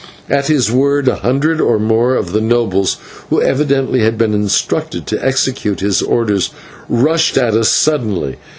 At his word a hundred or more of the nobles, who evidently had been instructed to execute his orders, rushed at us suddenly.